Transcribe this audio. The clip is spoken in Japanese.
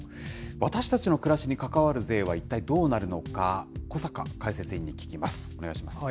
私たちの暮らしに関わる税は一体どうなるのか、小坂解説委員に聞きます。